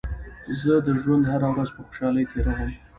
زه د ژوند هره ورځ په خوشحالۍ تېروم.